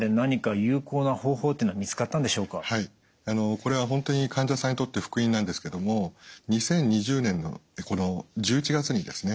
これは本当に患者さんにとって福音なんですけども２０２０年の１１月にですね